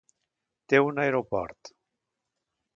Té un aeroport.